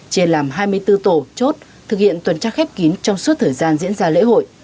chê làm hai mươi bốn tổ chốt thực hiện tuần tra khép kín trong suốt thời gian diễn ra lễ hội